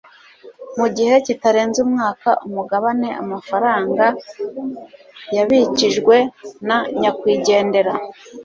mu gihe kitarenze umwaka, umugabane, amafaranga yabikijwe na nyakwigendera